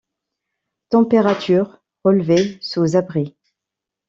Températures relevées sous abri.